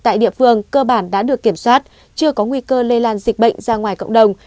tại địa phương cơ bản đã được kiểm soát chưa có nguy cơ lây lan dịch bệnh ra ngoài cộng đồng